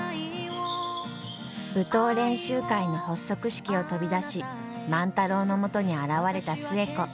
舞踏練習会の発足式を飛び出し万太郎のもとに現れた寿恵子。